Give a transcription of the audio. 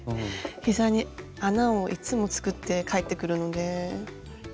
膝に穴をいつも作って帰ってくるので。